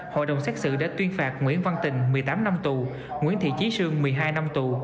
hội đồng xét xử đã tuyên phạt nguyễn văn tình một mươi tám năm tù nguyễn thị trí sương một mươi hai năm tù